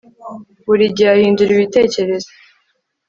buri gihe ahindura ibitekerezo